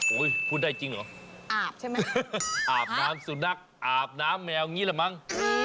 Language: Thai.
พูดได้จริงเหรออาบใช่ไหมอาบน้ำสุนัขอาบน้ำแมวอย่างนี้แหละมั้ง